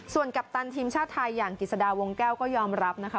ส่วนกัปตันทีมชาติไทยอย่างกิจสดาวงแก้วก็ยอมรับนะคะ